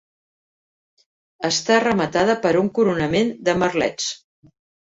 Està rematada per un coronament de merlets.